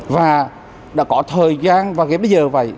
và đã có thời gian và đến bây giờ